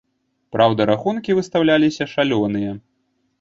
Праўда, рахункі выстаўляліся шалёныя.